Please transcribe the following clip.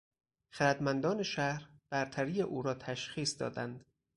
خردمندان شهر برتری او را تشخیص دادند.